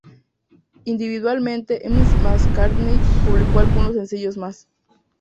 Individualmente, McCartney publicó algunos sencillos más.